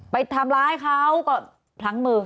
ไปทำร้ายเขาก็พลั้งมือ